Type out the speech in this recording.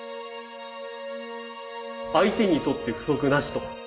相手にとって不足なしと。